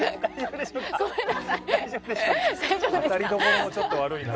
当たりどころもちょっと悪いな。